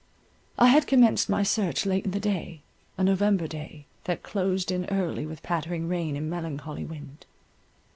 I had commenced my search late in the day, a November day, that closed in early with pattering rain and melancholy wind.